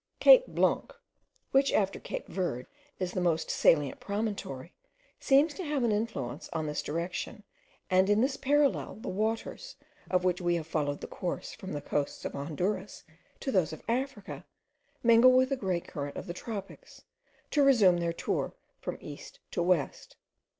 Cape Blanc, which, after Cape Verd, is the most salient promontory, seems to have an influence on this direction, and in this parallel the waters, of which we have followed the course from the coasts of Honduras to those of Africa, mingle with the great current of the tropics to resume their tour from east to west.